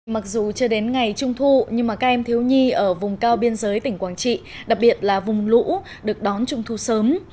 mặc dù chưa đến ngày trung thu nhưng các em thiếu nhi ở vùng cao biên giới tỉnh quảng trị đặc biệt là vùng lũ được đón trung thu sớm